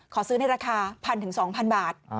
ขอซื้อในราคา๑๐๐๒๐๐บาท